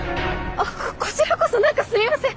あっこちらこそ何かすみません！